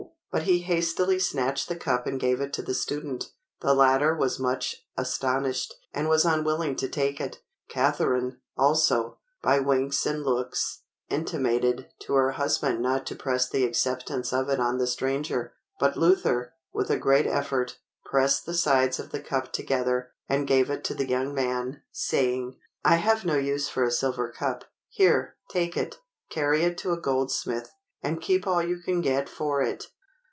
But he hastily snatched the cup and gave it to the student. The latter was much astonished, and was unwilling to take it. Catharine also, by winks and looks, intimated to her husband not to press the acceptance of it on the stranger. But Luther, with a great effort, pressed the sides of the cup together and gave it to the young man, saying, "I have no use for a silver cup. Here, take it; carry it to a goldsmith, and keep all you can get for it."